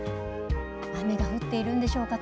雨が降っているんでしょうか。